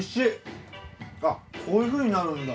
あっこういうふうになるんだ。